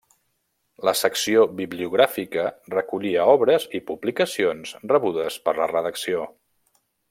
La secció bibliogràfica recollia obres i publicacions rebudes per la redacció.